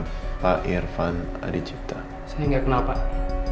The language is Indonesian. kenapa semua orang yang gue tanya gak ada yang kenal sama om irfan ya